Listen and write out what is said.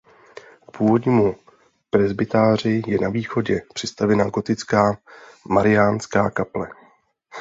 K původnímu presbytáři je na východě přistavěna gotická mariánská kaple.